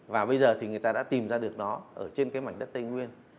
và bây giờ thì người ta đã tìm ra được nó ở trên cái mảnh đất tây nguyên